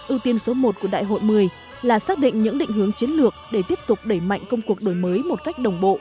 ưu tiên số một của đại hội một mươi là xác định những định hướng chiến lược để tiếp tục đẩy mạnh công cuộc đổi mới một cách đồng bộ